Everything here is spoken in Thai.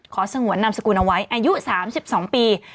สงวนนามสกุลเอาไว้อายุ๓๒ปี